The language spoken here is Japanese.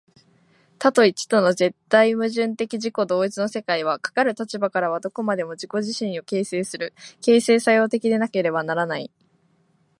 多と一との絶対矛盾的自己同一の世界は、かかる立場からはどこまでも自己自身を形成する、形成作用的でなければならない。